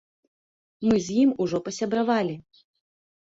Мы з ім ужо пасябравалі.